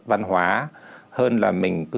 văn hóa hơn là mình cứ